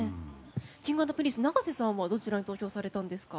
Ｋｉｎｇ＆Ｐｒｉｎｃｅ永瀬さんはどちらに投票されましたか？